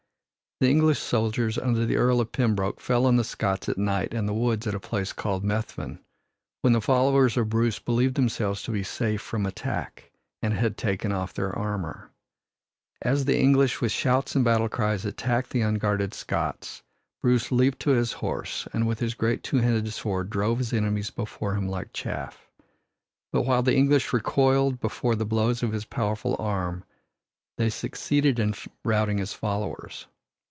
The English soldiers under the Earl of Pembroke fell on the Scots at night in the woods at a place called Methven, when the followers of Bruce believed themselves to be safe from attack, and had taken off their armor. As the English with shouts and battle cries attacked the unguarded Scots, Bruce leaped to his horse and with his great two handed sword drove his enemies before him like chaff. But while the English recoiled before the blows of his powerful arm, they succeeded in routing his followers.